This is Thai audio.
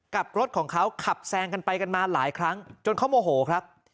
กับรถของเขาขับแซงกันไปกันมาหลายครั้งจนเขาโมโหครับ